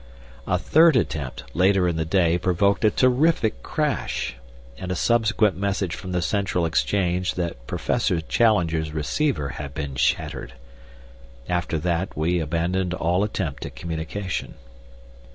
A third attempt, later in the day, provoked a terrific crash, and a subsequent message from the Central Exchange that Professor Challenger's receiver had been shattered. After that we abandoned all attempt at communication.